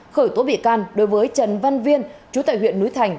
khởi tố bị can đối với trần văn viên chú tại huyện núi thành